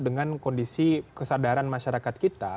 dengan kondisi kesadaran masyarakat kita